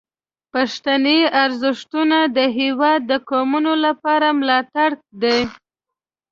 پښتني ارزښتونه د هیواد د قومونو لپاره ملاتړ دي.